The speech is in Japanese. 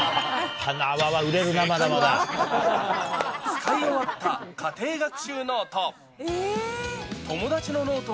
使い終わった家庭学習ノート。